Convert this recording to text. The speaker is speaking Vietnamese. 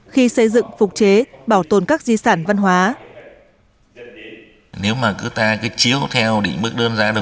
khi xây dựng phục chế bảo tồn các di sản văn hóa